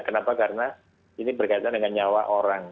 kenapa karena ini berkaitan dengan nyawa orang